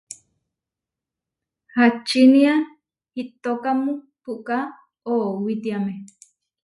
¿Ačinia iʼtókamu puʼká oʼowitiáme?